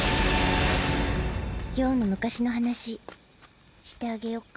葉の昔の話してあげよっか。